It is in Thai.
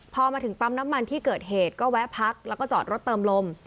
พอมาถึงปั๊มน้ำมันที่เกิดเหตุก็แวะพักแล้วก็จอดรถเติมลม